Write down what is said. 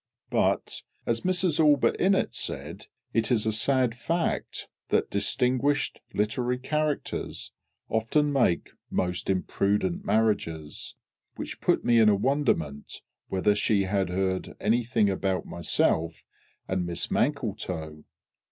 But, as Mrs ALLBUTT INNETT said, it is a sad fact that distinguished literary characters often make most imprudent marriages. Which put me in a wonderment whether she had heard anything about myself and Miss MANKLETOW.